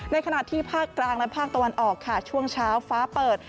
ขณะที่ภาคกลางและภาคตะวันออกค่ะช่วงเช้าฟ้าเปิด